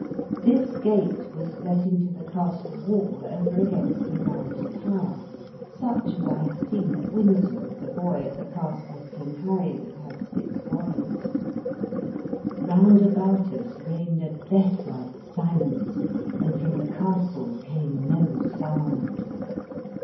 This gate was let into the castle wall over against a round tower, such as I have seen at Windsor as a boy at the castle of King Harry that had six wives. Round about us reigned a death like silence, and from the castle came no sound.